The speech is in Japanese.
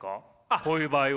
こういう場合は。